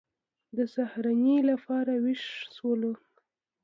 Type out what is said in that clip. د سهارنۍ لپاره وېښ شولو.